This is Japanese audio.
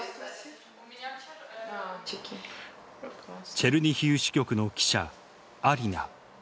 チェルニヒウ支局の記者アリナ。